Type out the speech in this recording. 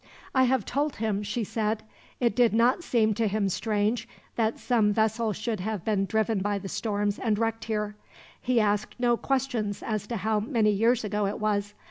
"I have told him," she said. "It did not seem to him strange that some vessel should have been driven by the storms and wrecked here. He asked no questions as to how many years ago it was.